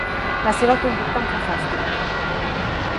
La seva conducta em fa fàstic.